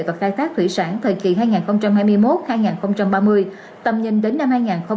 và khai thác thủy sản thời kỳ hai nghìn hai mươi một hai nghìn ba mươi tầm nhìn đến năm hai nghìn năm mươi